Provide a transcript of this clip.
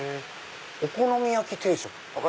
「お好み焼き定食」。